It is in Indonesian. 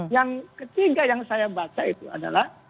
yang ketiga yang saya baca itu adalah